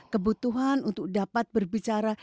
kebutuhan untuk dapat berbicara